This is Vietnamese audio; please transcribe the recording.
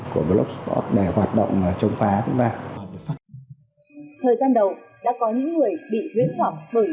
của blog để hoạt động là chống phá cũng ra thời gian đầu đã có những người bị huyến phỏng bởi